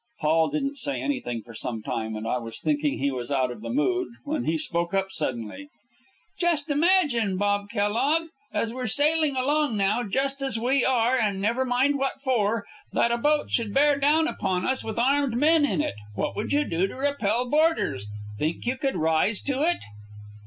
Paul didn't say anything for some time, and I was thinking he was out of the mood, when he spoke up suddenly: "Just imagine, Bob Kellogg, as we're sailing along now, just as we are, and never mind what for, that a boat should bear down upon us with armed men in it, what would you do to repel boarders? Think you could rise to it?"